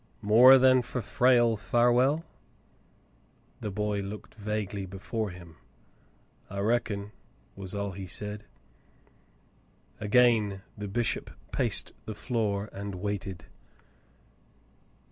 " More than for Frale Farwell .?" The boy looked vaguely before him. "I reckon," was all he said. Again the bishop paced the floor, and waited.